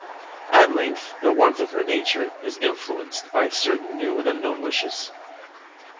At length the warmth of her nature is influenced by certain new and unknown wishes.